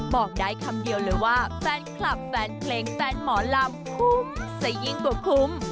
บอกได้คำเดียวเลยว่าแฟนคลับแฟนเพลงแฟนหมอลำคุ้มซะยิ่งกว่าคุ้ม